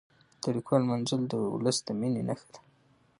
د لیکوالو لمانځل د ولس د مینې نښه ده.